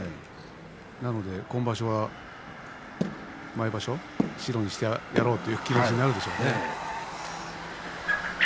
今場所は毎場所、白にしてやろうという気持ちなんでしょうね。